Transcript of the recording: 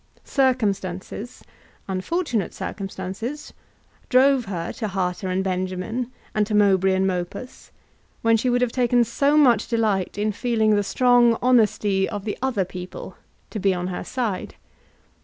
Circumstances, unfortunate circumstances, drove her to Harter and Benjamin and to Mowbray and Mopus, while she would have taken so much delight in feeling the strong honesty of the other people to be on her side!